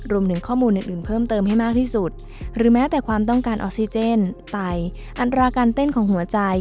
รวมถึงข้อมูลอื่นเพิ่มเติมให้มากที่สุดหรือแม้แต่ความต้องการออกซิเจนไตอัตราการเต้นของหัวใจ